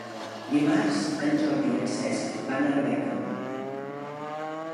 Dimarts en Jordi i en Cesc van a Arbeca.